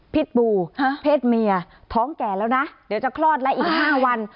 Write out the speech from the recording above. บูเพศเมียท้องแก่แล้วนะเดี๋ยวจะคลอดแล้วอีก๕วัน